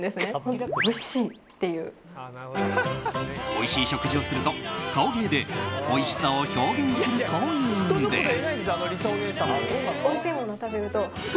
おいしい食事をすると顔芸で、おいしさを表現するというんです。